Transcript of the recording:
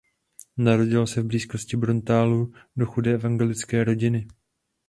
Narodil se v blízkosti Bruntálu do chudé evangelické rodiny.